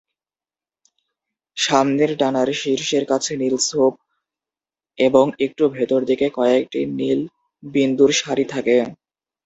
সামনের ডানার শীর্ষের কাছে নীল ছোপ এবং একটু ভিতর দিকে কয়েকটি নীল বিন্দুর সারি থাকে।